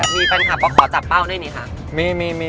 มีแฟนคับขอจับเป้าได้ไหมคะ